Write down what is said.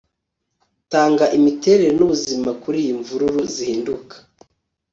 Tanga imiterere nubuzima kuriyi mvururu zihinduka